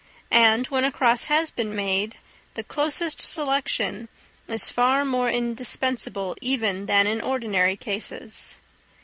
And when a cross has been made, the closest selection is far more indispensable even than in ordinary cases.